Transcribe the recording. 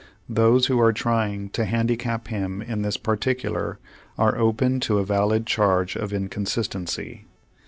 Those who are trying to handicap him in this particular are open to a valid charge of inconsistency.